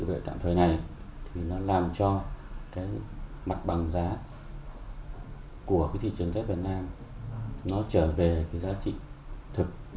tự vệ tạm thuế này làm cho mặt bằng giá của thị trường thép việt nam trở về giá trị thực